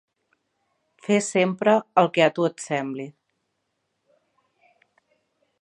Fes sempre el que a tu et sembli.